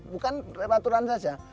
bukan aturan saja